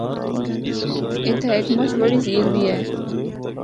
اِتھا ہک مُچ بڑی جھیل بھی ہے۔